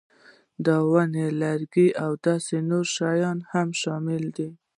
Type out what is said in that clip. د ونو لرګي او داسې نور شیان هم شامل دي.